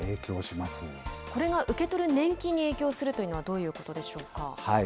これが受け取る年金に影響するというのは、どういうことでしょうか。